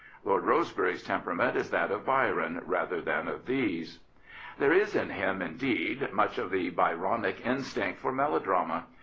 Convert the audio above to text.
Lord Rosebery's temperament is that of Byron rather than of these. There is in him, indeed, much of the Byronic instinct for melodrama.